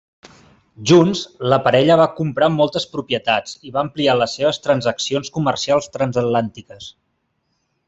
Junts, la parella va comprar moltes propietats i va ampliar les seves transaccions comercials transatlàntiques.